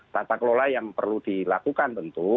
tata kelola yang perlu dilakukan tentu